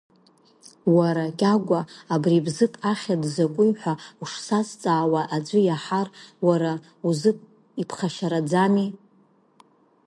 Уара, Кьагәа, абри Бзыԥ ахьыӡ закәи ҳәа ушсазҵаауа аӡәы иаҳар, уара узы иԥхашьараӡами?!